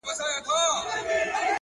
خدايه هغه داسي نه وه،